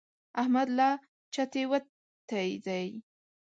احمد له چتې وتی دی.